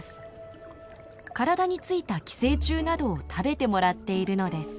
体についた寄生虫などを食べてもらっているのです。